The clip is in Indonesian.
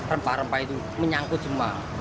rempah rempah itu menyangkut semua